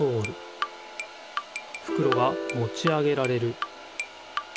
ふくろがもち上げられる。